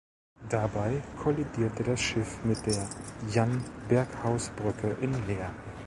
Dabei kollidierte das Schiff mit der Jann-Berghaus-Brücke in Leer.